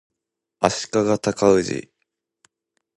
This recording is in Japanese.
足利尊氏